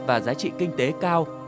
và giá trị kinh tế cao